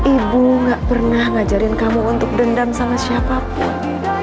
ibu gak pernah ngajarin kamu untuk dendam sama siapapun